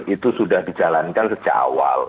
itu sudah dijalankan sejak awal